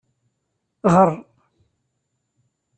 Eɣr.